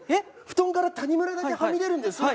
布団から谷村だけはみ出るんです